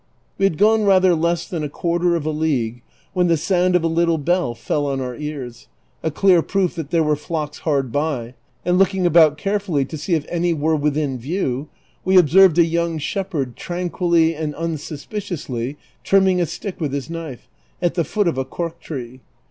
We had gone rather less than a quarter of a league when the sound of a little bell fell on our ears, a clear proof that there were flocks hard by, and looking about carefully to see if any were within view, we observed a young shepherd tran ((uilly and unsuspiciously trimming a stick with his knife, at the foot of a cork tree.